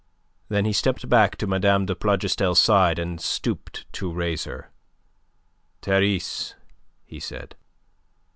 Then he stepped back to Mme. de Plougastel's side and stooped to raise her. "Therese," he said.